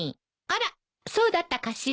あらそうだったかしら？